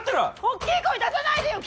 おっきい声出さないでよ！